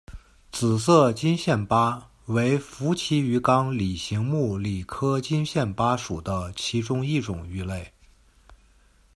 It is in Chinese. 紫色金线鲃为辐鳍鱼纲鲤形目鲤科金线鲃属的其中一种鱼类。